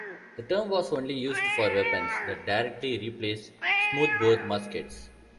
The term was only used for weapons that directly replaced smoothbore muskets.